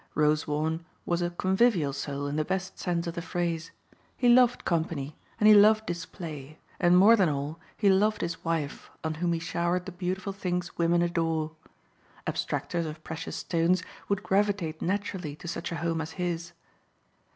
Rosewarne was a convivial soul in the best sense of the phrase. He loved company and he loved display and more than all he loved his wife on whom he showered the beautiful things women adore. Abstractors of precious stones would gravitate naturally to such a home as his.